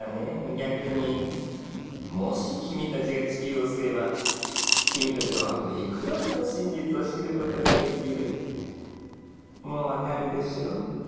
逆にもし君たちが地球を救えば君たちは後でいくらでも真実を知ることができるもう分かるでしょ？